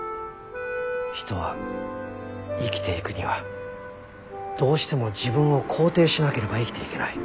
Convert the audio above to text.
人は生きていくにはどうしても自分を肯定しなければ生きていけない。